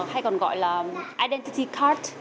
hay còn gọi là identity card